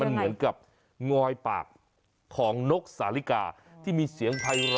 เหมือนกับงอยปากของนกสาลิกาที่มีเสียงไพร้อ